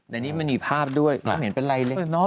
แต่นี่มันมีภาพด้วยไม่เห็นเป็นไรเลย